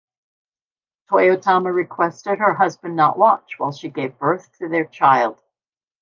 Toyotama requested her husband not watch while she gave birth to their child.